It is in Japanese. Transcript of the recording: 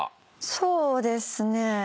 そうですね。